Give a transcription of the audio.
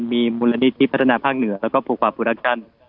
มีมูลณีที่พัฒนาภาคเหนือแล้วก็โปรควาร์โปรดักชั่น